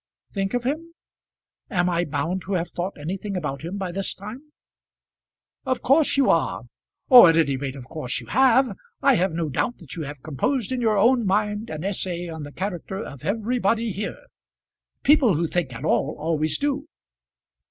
"Think of him! Am I bound to have thought anything about him by this time?" "Of course you are; or at any rate of course you have. I have no doubt that you have composed in your own mind an essay on the character of everybody here. People who think at all always do."